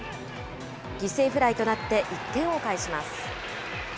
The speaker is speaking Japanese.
犠牲フライとなって、１点を返します。